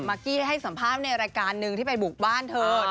กี้ให้สัมภาษณ์ในรายการหนึ่งที่ไปบุกบ้านเธอ